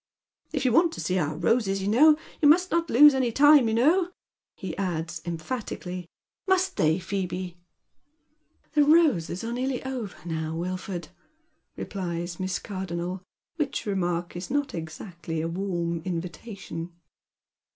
" If you want to see our roses, you know, you must not lose any time, you know," he adds, emphatically, —" must they, Phcpbe ?"" The roses are nearly over now, Wilford," replies Miss Car donnel, which remark is not exactly a warm invitation.